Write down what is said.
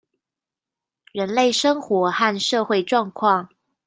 人類生活和社會狀況